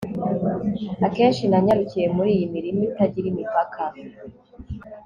akenshi nanyarukiye muri iyi mirima itagira imipaka